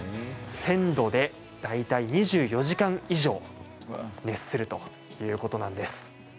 １０００度で大体２４時間以上熱するということなんです。